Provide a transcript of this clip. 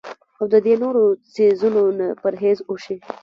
او د دې نورو څيزونو نه پرهېز اوشي